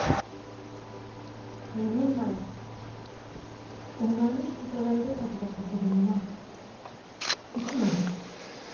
１０年前オーナーに引き取られるはずだった子供はうちなんです。